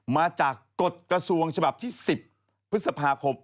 มาจากกฎกระทรวงฉบับที่๑๐พฤษภาคม